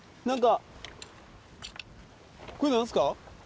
何か。